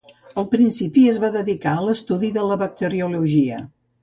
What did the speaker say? Al principi es va dedicar a l'estudi de la bacteriologia.